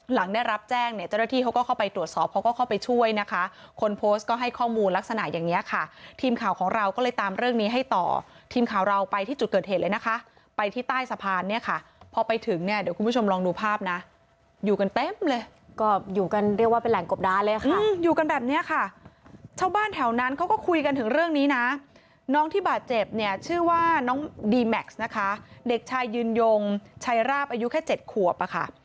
หลังได้รับแจ้งเนี่ยเจ้าหน้าที่เขาก็เข้าไปตรวจสอบเขาก็เข้าไปช่วยนะคะคนโพสต์ก็ให้ข้อมูลลักษณะอย่างเนี้ยค่ะทีมข่าวของเราก็เลยตามเรื่องนี้ให้ต่อทีมข่าวเราไปที่จุดเกิดเหตุเลยนะคะไปที่ใต้สะพานเนี่ยค่ะพอไปถึงเนี่ยเดี๋ยวคุณผู้ชมลองดูภาพนะอยู่กันเต็มเลยก็อยู่กันเรียกว่าเป็นแหล่งกบดาเลยค่ะ